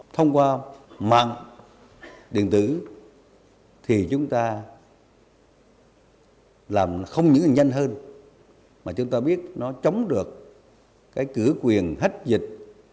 thông qua mạng điện tử thì chúng ta làm không những nhanh hơn mà chúng ta biết nó chống được cái cửa quyền hết dịch